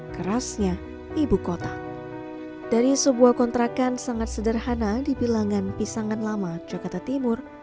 kerasnya ibu kota dari sebuah kontrakan sangat sederhana di bilangan pisangan lama jakarta timur